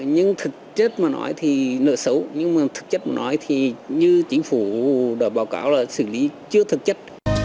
nhưng thực chất mà nói thì nợ xấu nhưng mà thực chất mà nói thì như chính phủ đã báo cáo là xử lý chưa thực chất